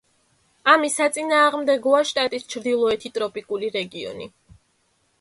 ამის საწინააღმდეგოა შტატის ჩრდილოეთი ტროპიკული რეგიონი.